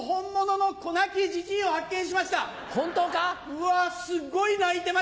うわすっごい泣いてます。